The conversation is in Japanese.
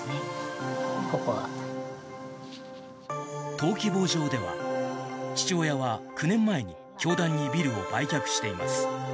登記簿上では父親は９年前に教団にビルを売却しています。